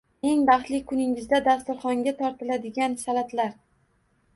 Eng baxtli kuningizda dasturxonga tortiladigan salatlar